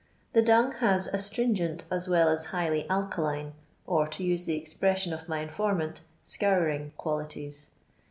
The dung has astringent as well as highly alkaline, or, to use the expression of my informant, " scouring," qualities.